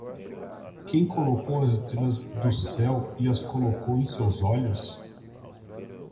Quem colocou as estrelas do céu e as colocou em seus olhos?